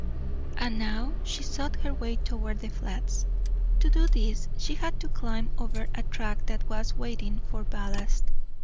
And now she sought her way toward the Flats. To do this she had to climb over a track that was waiting for ballast.